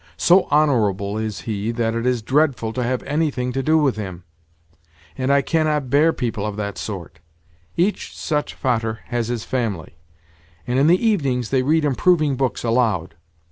So honourable is he that it is dreadful to have anything to do with him; and I cannot bear people of that sort. Each such 'Vater' has his family, and in the evenings they read improving books aloud.